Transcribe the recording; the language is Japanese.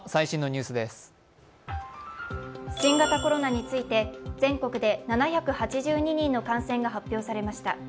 新型コロナについて全国で７８２人の感染が発表されました。